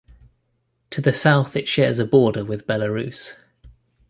To the south it shares a border with Belarus.